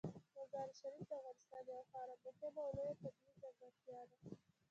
مزارشریف د افغانستان یوه خورا مهمه او لویه طبیعي ځانګړتیا ده.